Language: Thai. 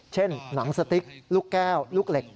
หนังสติ๊กลูกแก้วลูกเหล็ก